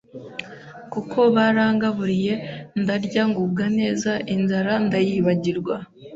kuko barangaburiye ndarya ngubwa neza inzara ndayibagirwa